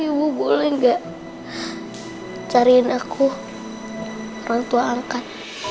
ibu boleh nggak cariin aku orang tua angkat